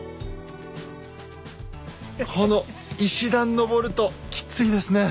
この石段のぼるときついですね。